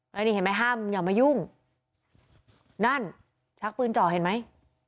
แล้วนี่เห็นไหมห้ามอย่ามายุ่งนั่นชักปืนจ่อเห็นไหม